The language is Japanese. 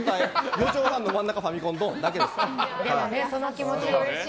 ４畳半の真ん中ファミコン、ドンだけです。